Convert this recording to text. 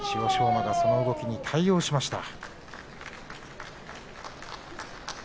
馬がその動きに対応しました。